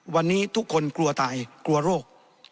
วันนี้ทุกคนกลัวตายกลัวโรค